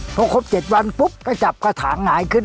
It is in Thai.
พอครบ๗วันปุ๊บก็จับกระถางหงายขึ้น